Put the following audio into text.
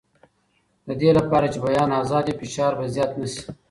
د دې لپاره چې بیان ازاد وي، فشار به زیات نه شي.